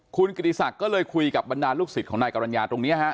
คุณกิติศักดิ์ก็เลยคุยกับบรรดาลูกศิษย์ของนายกรรณญาตรงนี้ฮะ